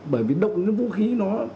bởi vì đội vũ khí nó